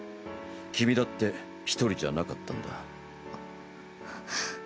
君だって一人じゃなかったんだ。